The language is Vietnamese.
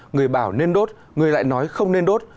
người bảo nên đốt người lại nói không nên đốt